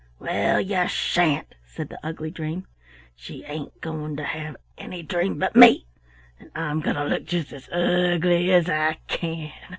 "Well, you sha'n't," said the ugly dream. "She ain't going to have any dream but me, and I'm going to look just as ugly as I can.